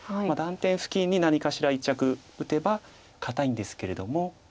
断点付近に何かしら一着打てば堅いんですけれども。